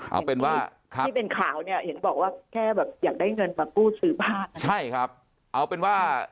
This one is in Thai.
เอาเป็นว่าที่เป็นข่าวเนี่ยเห็นบอกว่าแค่แบบอยากได้เงินมากู้ซื้อบ้านใช่ครับเอาเป็นว่า